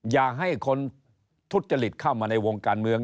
อย่าให้คนทุจริตเข้ามาในวงการเมือง